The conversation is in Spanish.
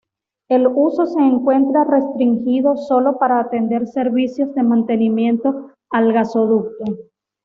El uso se encuentra restringido solo para atender servicios de mantenimiento al gasoducto.